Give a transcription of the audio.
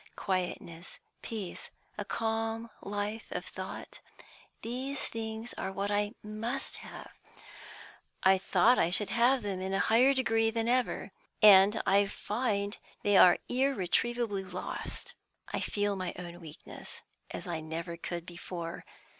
Quietness, peace, a calm life of thought, these things are what I must have; I thought I should have them in a higher degree than ever, and I find they are irretrievably lost. I feel my own weakness, as I never could before.